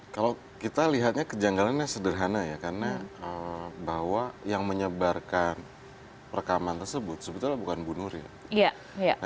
kalau kita lihatnya kejanggalannya sederhana ya karena bahwa yang menyebarkan perekaman tersebut sebetulnya bukan bu nuril